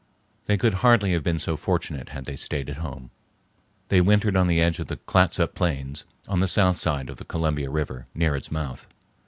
They could hardly have been so fortunate had they stayed at home. They wintered on the edge of the Clatsop plains, on the south side of the Columbia River near its mouth.